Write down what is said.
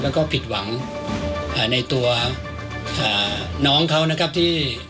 แล้วก็ผิดหวังในตัวน้องเขานะครับที่